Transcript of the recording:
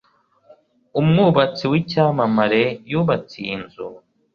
umwubatsi w'icyamamare yubatse iyi nzu